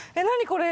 これ。